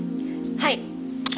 はい。